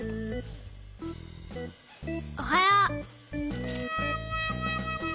おはよう。